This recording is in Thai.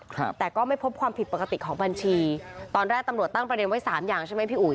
ครับแต่ก็ไม่พบความผิดปกติของบัญชีตอนแรกตำรวจตั้งประเด็นไว้สามอย่างใช่ไหมพี่อุ๋